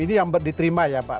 ini yang diterima ya pak